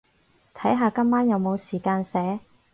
睇下今晚有冇時間寫